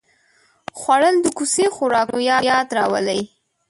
خوړل د کوڅې خوراکونو یاد راولي